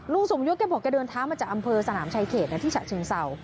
สมยศแกบอกแกเดินเท้ามาจากอำเภอสนามชายเขตที่ฉะเชิงเศร้า